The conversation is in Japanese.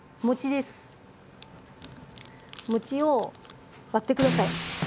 餅を割って下さい。